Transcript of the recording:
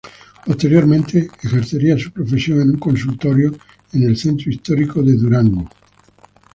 Posteriormente ejercería su profesión en un consultorio en el centro histórico de Durango.